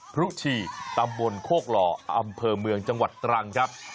พรุชีตำบลโคกหล่ออำเภอเมืองจังหวัดตรังครับ